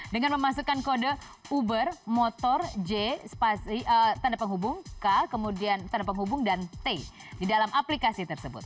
dengan memasukkan kode uber motor j tanda penghubung k kemudian tanda penghubung dan t di dalam aplikasi tersebut